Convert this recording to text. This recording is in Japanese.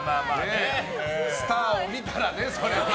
スターを見たらね、それは。